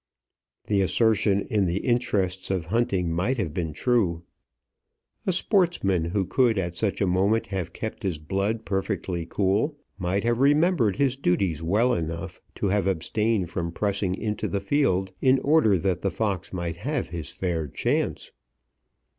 The assertion in the interests of hunting might have been true. A sportsman who could at such a moment have kept his blood perfectly cool, might have remembered his duties well enough to have abstained from pressing into the field in order that the fox might have his fair chance.